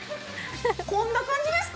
こんな感じですか？